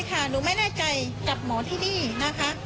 หนูไม่แน่ใจกับหมอที่นี่นะคะ